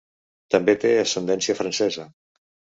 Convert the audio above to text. També té ascendència francesa.